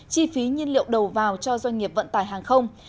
chi phí nhiên liệu đầu vào cho doanh nghiệp vận tải hàng không